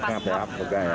engap ya enggak ya